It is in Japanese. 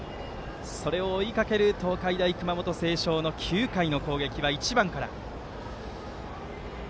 それを追いかける東海大熊本星翔９回の攻撃は１番から。